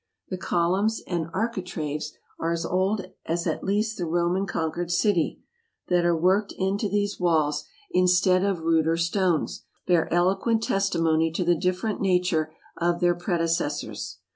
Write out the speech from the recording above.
The columns and architraves, as old at least as the Roman conquered city, that are worked into these walls instead of ruder stones, bear eloquent testimony to the dif ferent nature of their predecessors.